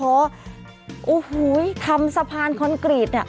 โอ้โฮทำสะพานคอนกรีต